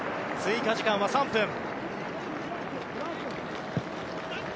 追加時間は３分。